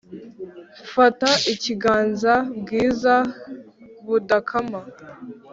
Mfata ikiganza bwiza budakama